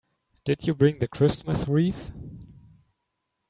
Did you bring the Christmas wreath?